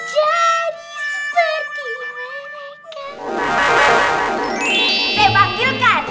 jadi seperti mereka